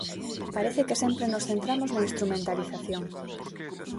Parece que sempre nos centramos na instrumentalización.